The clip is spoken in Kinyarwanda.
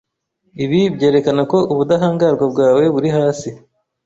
Ibi byerekana ko ubudahangarwa bwawe buri hasi.